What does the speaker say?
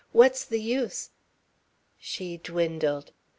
What's the use...." She dwindled.